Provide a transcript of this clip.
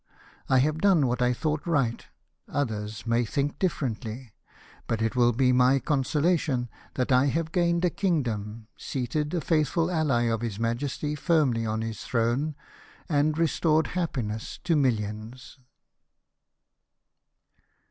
I have done what I thought right, others may think differently, but it will be my consolation that I have gained a kingdom, seated a faithful ally of his Majesty firmly on his throne, and restored happiness to millions."